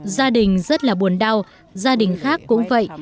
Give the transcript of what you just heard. gia đình rất là buồn đau gia đình khác cũng vậy